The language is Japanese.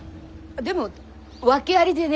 でも訳ありでね。